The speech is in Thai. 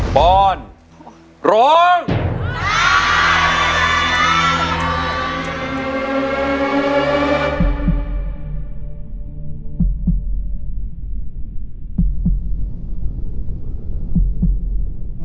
ปอนร้อง